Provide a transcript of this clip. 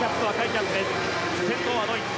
先頭はドイツ。